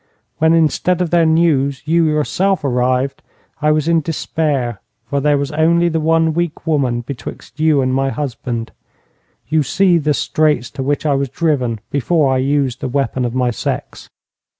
When instead of their news you yourself arrived I was in despair, for there was only the one weak woman betwixt you and my husband. You see the straits to which I was driven before I used the weapon of my sex.'